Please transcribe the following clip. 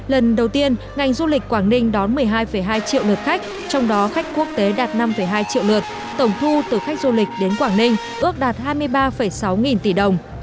lần đầu tiên ngành du lịch quảng ninh đón một mươi hai hai triệu lượt khách trong đó khách quốc tế đạt năm hai triệu lượt tổng thu từ khách du lịch đến quảng ninh ước đạt hai mươi ba sáu nghìn tỷ đồng